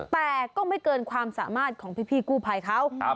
แต่ก็ไม่เกินความสามารถของพี่กู้ภัยเขา